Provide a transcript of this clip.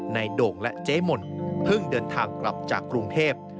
โด่งและเจ๊มนเพิ่งเดินทางกลับจากกรุงเทพ